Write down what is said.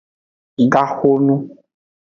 Gaxonu.